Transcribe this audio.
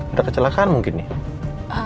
ada kecelakaan mungkin nih